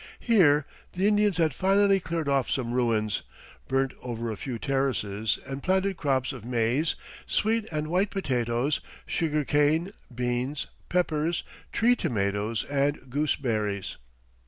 Here the Indians had finally cleared off some ruins, burned over a few terraces, and planted crops of maize, sweet and white potatoes, sugar cane, beans, peppers, tree tomatoes, and gooseberries.